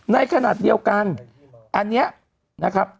ในขณะเดียวกันอันนี้นะครับ